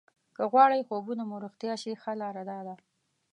که غواړئ خوبونه مو رښتیا شي ښه لاره داده.